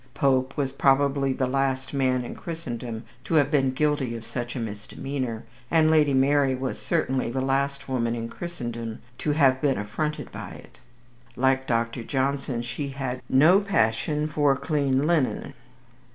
Pope was probably the last man in Christendom to have been guilty of such a misdemeanour, and Lady Mary was certainly the last woman in Christendom to have been affronted by it. Like Dr. Johnson, she had "no passion for clean linen."